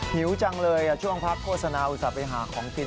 หิวจังเลยอ่ะช่วงพักโฆษณาอุตสะใบหาของกิน